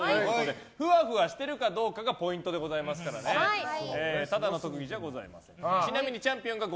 ふわふわしてるかどうかがポイントでございますからただの特技じゃございません。